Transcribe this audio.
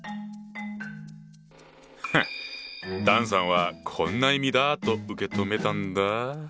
フッ段さんはこんな意味だと受け止めたんだ。